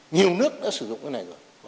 nhiều nước đã sử dụng cái này rồi